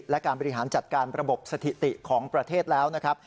และการบริหารจัดการระบบสถิติของประเทศแล้วนะครับ